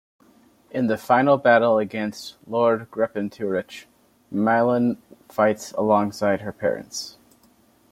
In the final battle against Lord Geperunitch, Mylene fights alongside her parents.